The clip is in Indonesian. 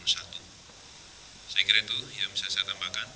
saya kira itu yang bisa saya tambahkan